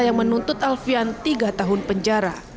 yang menuntut alfian tiga tahun penjara